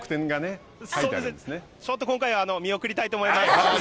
ちょっと今回は見送りたいと思います。